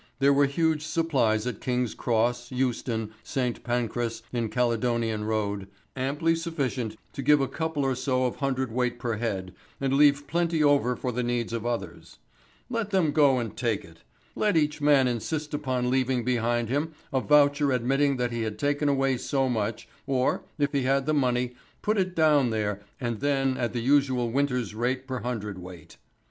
There were huge supplies at King's Cross, Euston, St. Pancras, in Caledonian Road, amply sufficient to give a couple or so of hundredweight per head and leave plenty over for the needs of others. Let them go and take it. Let each man insist upon leaving behind him a voucher admitting that he had taken away so much, or, if he had the money, put it down there and then at the usual winter's rate per hundredweight.